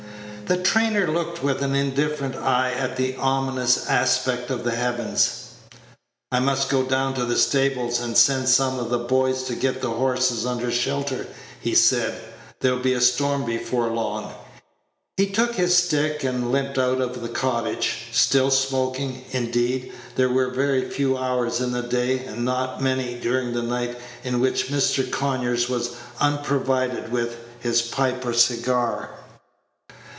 The trainer looked with an indifferent eye at the ominous aspect of the heavens. "I must go down to the stables, and send some of the boys to get the horses under shelter," he said; "there'll be a storm before long." He took his stick and limped out of the cottage, still smoking; indeed, there were very few hours in the day, and not many during the night, in which Mr. Conyers was unprovided with his pipe or cigar.